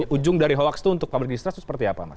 ujung dari hoax itu untuk public distrust itu seperti apa mas